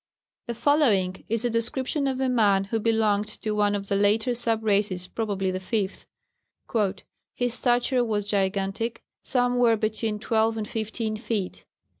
] The following is a description of a man who belonged to one of the later sub races probably the fifth. "His stature was gigantic, somewhere between twelve and fifteen feet.